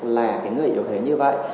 là cái người yếu thế như vậy